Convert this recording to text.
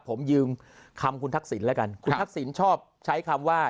ผมยืมคำคุณทักษิณแล้วกันคุณทักษิณชอบใช้คำว่า